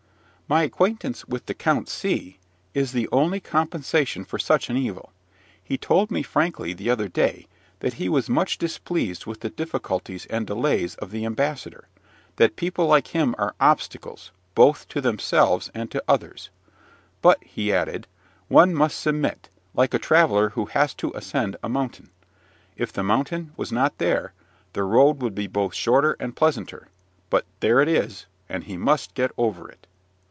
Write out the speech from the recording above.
My acquaintance with the Count C is the only compensation for such an evil. He told me frankly, the other day, that he was much displeased with the difficulties and delays of the ambassador; that people like him are obstacles, both to themselves and to others. "But," added he, "one must submit, like a traveller who has to ascend a mountain: if the mountain was not there, the road would be both shorter and pleasanter; but there it is, and he must get over it."